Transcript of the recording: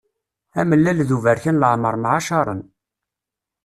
Amellal d uberkan leɛmeṛ mɛacaṛen.